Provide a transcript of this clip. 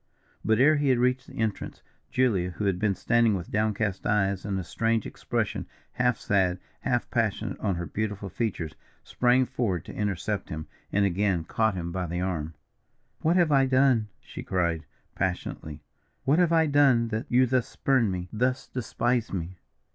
But ere he had reached the entrance, Julia, who had been standing with down cast eyes and a strange expression, half sad, half passionate on her beautiful features, sprang forward to intercept him, and again caught him by the arm. "What have I done," she cried, passionately, "what have I done that you thus spurn me thus despise me?"